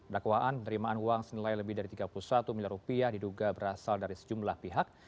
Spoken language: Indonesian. dakwaan penerimaan uang senilai lebih dari tiga puluh satu miliar rupiah diduga berasal dari sejumlah pihak